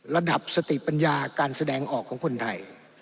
ระดับสติปัญญาการแสดงออกของคนไทย